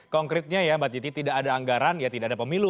konkretnya ya mbak titi tidak ada anggaran ya tidak ada pemilu